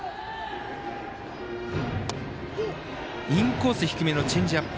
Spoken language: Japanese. インコース低めのチェンジアップ。